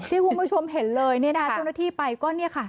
ที่คุณผู้ชมเห็นเลยตรงที่ไปก็นี่ค่ะ